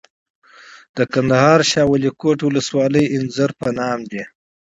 د کندهار شاولیکوټ ولسوالۍ انځر په نام دي.